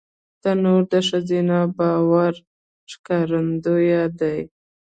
تنور د ښځینه باور ښکارندوی دی